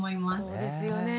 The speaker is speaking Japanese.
そうですよね。